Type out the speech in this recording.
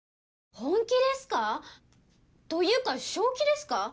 本気ですか？というか正気ですか？